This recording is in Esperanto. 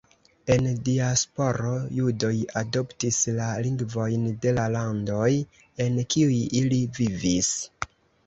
En diasporo judoj adoptis la lingvojn de la landoj en kiuj ili vivis.